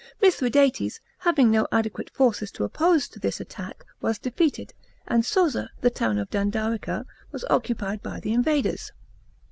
Mithradates, having no adequate forces to oppose to this attack, was defeated, and Soza, the town of Dandarica, was occupied by the invaders.